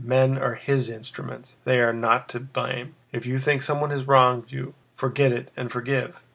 Men are His instruments, they are not to blame. If you think someone has wronged you, forget it and forgive!